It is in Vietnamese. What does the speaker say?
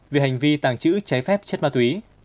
về hành vi tàng trữ trái phép chất ma túy